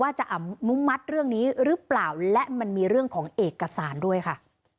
จะอนุมัติเรื่องนี้หรือเปล่าและมันมีเรื่องของเอกสารด้วยค่ะ